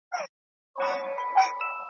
چي پخپله یې پر کور د مرګ ناره سي `